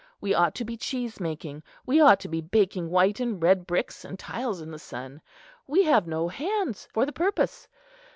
We ought to be cheese making. We ought to be baking white and red bricks and tiles in the sun; we have no hands for the purpose.